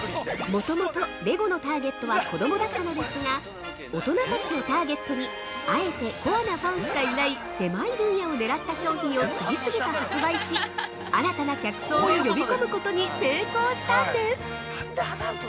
◆もともと、レゴのターゲットは子供だったのですが、大人たちをターゲットにあえてコアなファンしかいない狭い分野を狙った商品を次々と発売し新たな客層を呼び込むことに成功したんです。